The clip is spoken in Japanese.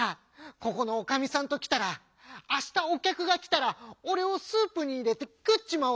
ここのおかみさんときたらあしたおきゃくがきたらおれをスープにいれてくっちまおうっていうんだ。